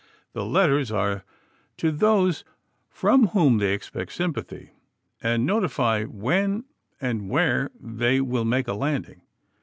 The letters are to those from whom they expect sympathy, and notify when and where they will make a landing.